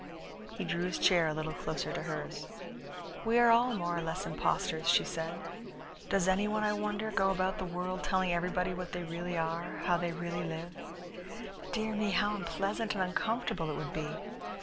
He drew his chair a little closer to hers. "We are all more or less impostors," she said. "Does any one, I wonder, go about the world telling everybody what they really are, how they really live? Dear me, how unpleasant and uncomfortable it would be!